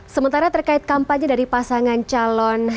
sementara terkait kampanye dari pasangan calon